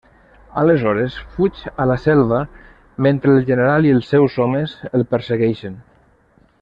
Aleshores fuig a la selva mentre el general i els seus homes el persegueixen.